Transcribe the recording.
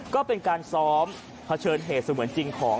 ก็เป็นการซ้อมเผชิญเหตุเสมือนจริงของ